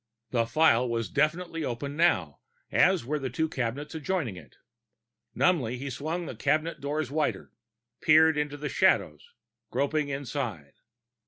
The file was definitely open now, as were the two cabinets adjoining it. Numbly he swung the cabinet doors wider, peered into the shadows, groped inside.